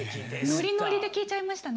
ノリノリで聴いちゃいましたね。